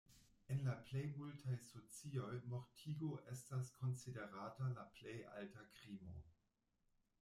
En la plejmultaj socioj mortigo estas konsiderata la plej alta krimo.